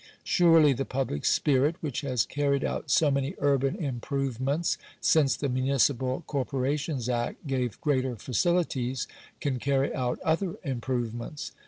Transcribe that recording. Surely the public spirit, which has carried out so many urban improvements since the Municipal Corporations Act gave greater facilities, can carry out other improvements.